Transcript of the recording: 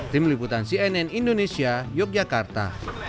tim liputan cnn indonesia yogyakarta